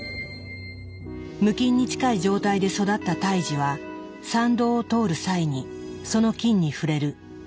無菌に近い状態で育った胎児は産道を通る際にその菌に触れる。